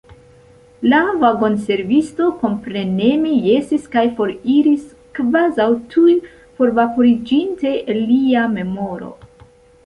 La vagonservisto kompreneme jesis kaj foriris, kvazaŭ tuj forvaporiĝinte el lia memoro.